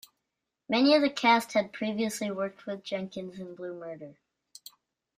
Many of the cast had previously worked with Jenkins in "Blue Murder".